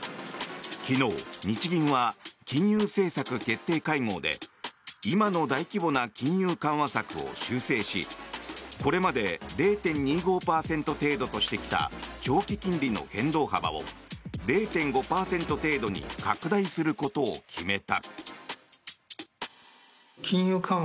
昨日、日銀は金融政策決定会合で今の大規模な金融緩和策を修正しこれまで０．２５％程度としてきた長期金利の変動幅を０．５％程度に拡大することを決めた。